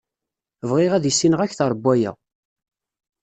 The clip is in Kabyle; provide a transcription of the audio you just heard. Bɣiɣ ad issineɣ akter n waya.